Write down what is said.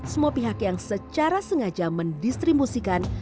semua pihak yang secara sengaja mendistribusikan